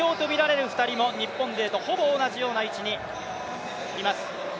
２強とみられる２人も、日本勢とほぼ同じような位置にいます。